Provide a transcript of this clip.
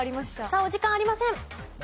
さあお時間ありません。